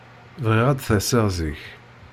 Bɣiɣ ad d-taseḍ zik.